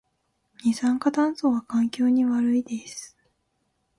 二酸化炭素は環境に悪いです